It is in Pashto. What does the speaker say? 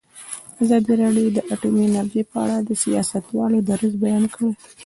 ازادي راډیو د اټومي انرژي په اړه د سیاستوالو دریځ بیان کړی.